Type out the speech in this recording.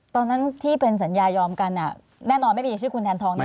ตอนนั้นที่เป็นสัญญายอมกันแน่นอนไม่มีชื่อคุณแทนทองนะ